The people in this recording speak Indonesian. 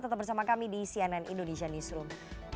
tetap bersama kami di cnn indonesia newsroom